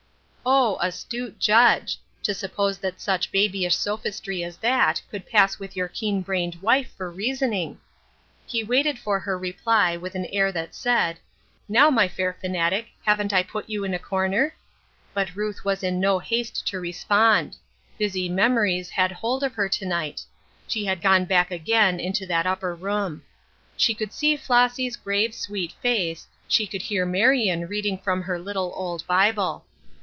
Oh, astute judge ! To suppose that such baby ish sophistry as that could pass with your keen brained wife for reasoning ! He waited for her reply with an air that said :" Now, my fair fanatic, haven't I put you in a corner ?" But Ruth was in no haste to respond ; busy memories had hold of her to night ; she had gone back again into that upper room. She could see Flossy's grave, sweet face, she could hear Marion reading from her little old Bible.